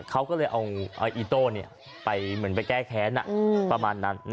เขาก็เลยเอาอีโต้ไปเหมือนไปแก้แค้นประมาณนั้น